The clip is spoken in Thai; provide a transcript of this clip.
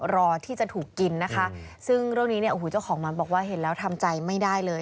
รอที่จะถูกกินนะคะซึ่งเรื่องนี้เนี่ยโอ้โหเจ้าของมันบอกว่าเห็นแล้วทำใจไม่ได้เลย